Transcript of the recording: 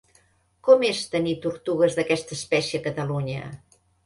Com és tenir tortugues d'aquesta espècie a Catalunya?